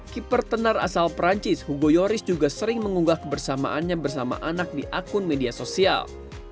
keeper tenar asal perancis hugo yoris juga sering mengunggah kebersamaannya bersama anak di akun media sosial